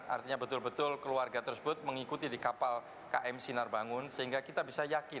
artinya betul betul keluarga tersebut mengikuti di kapal km sinar bangun sehingga kita bisa yakin